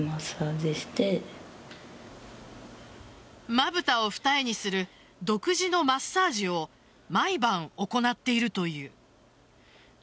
まぶたを二重にする独自のマッサージを毎晩、行っているという。